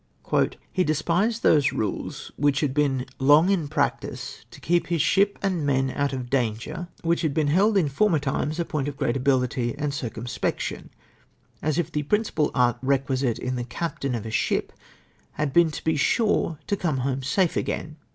" He despised those rules which had been long in practice, to Ji'eep Jils ship and men out of danger, %vhich had been held in former times a poivd of great ability and circuni spection ; as if the principal art requisite in the captain of a ship had been to be sure to come home safe again!